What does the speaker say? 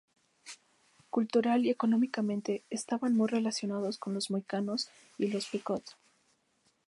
Cultural y económicamente, estaban muy relacionados con los mohicanos y los pequot.